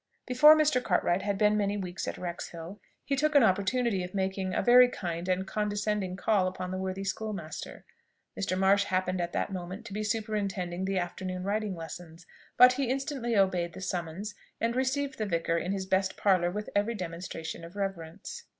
Before Mr. Cartwright had been many weeks at Wrexhill, he took an opportunity of making a very kind and condescending call upon the worthy schoolmaster. Mr. Marsh happened at that moment to be superintending the afternoon writing lessons; but he instantly obeyed the summons, and received the vicar in his best parlour with every demonstration of reverence.